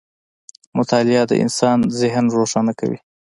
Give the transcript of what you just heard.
• مطالعه د انسان ذهن روښانه کوي.